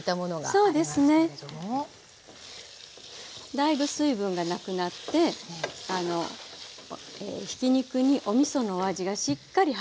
だいぶ水分がなくなってひき肉におみそのお味がしっかり入ったところですよね。